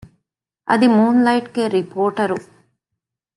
އަދި މޫންލައިޓްގެ ރިޕޯޓަރު